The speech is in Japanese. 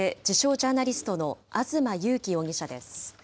ジャーナリストの東優樹容疑者です。